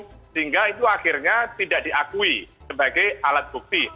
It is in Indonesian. sehingga itu akhirnya tidak diakui sebagai alat bukti